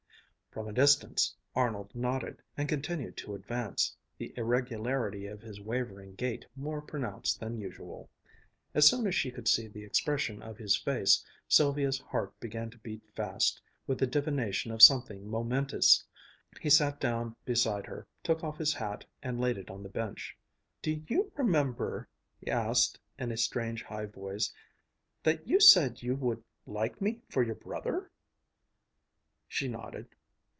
From a distance Arnold nodded, and continued to advance, the irregularity of his wavering gait more pronounced than usual. As soon as she could see the expression of his face, Sylvia's heart began to beat fast, with a divination of something momentous. He sat down beside her, took off his hat, and laid it on the bench. "Do you remember," he asked in a strange, high voice, "that you said you would like me for your brother?" She nodded.